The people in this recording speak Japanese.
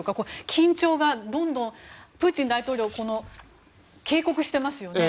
緊張が、プーチン大統領は警告していますよね。